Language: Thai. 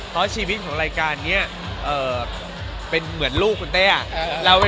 เพราะชีวิตของรายการนี้เป็นเหมือนลูกคุณเต้